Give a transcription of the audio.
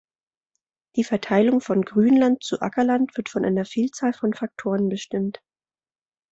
Die Verteilung von Grünland zu Ackerland wird von einer Vielzahl von Faktoren bestimmt.